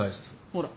ほら。